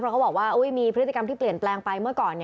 เพราะเขาบอกว่ามีพฤติกรรมที่เปลี่ยนแปลงไปเมื่อก่อน